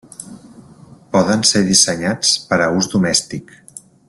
Poden ser dissenyats per a ús domèstic.